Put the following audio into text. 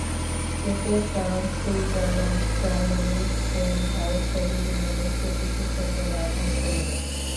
এতে France, Switzerland, Germany, Spain, ভারতসহ বিভিন্ন দেশের বিশেষজ্ঞরা অংশ নেবেন।